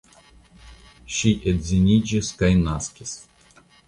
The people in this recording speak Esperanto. Ŝi edziniĝis kaj naskis.